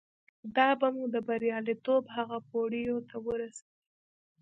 دا به مو د برياليتوب هغو پوړيو ته ورسوي.